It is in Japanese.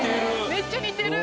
めっちゃ似てる！